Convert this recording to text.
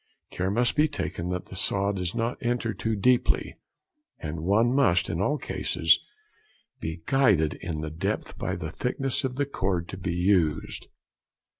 Care must be taken that the saw does not enter too deeply, and one |22| must, in all cases, be guided in the depth by the thickness of the cord to be used.